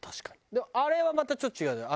でもあれはまたちょっと違うじゃん。